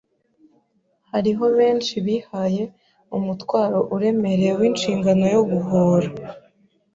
Hariho benshi bihaye umutwaro uremereye w’inshingano yo guhora